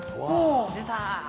出た。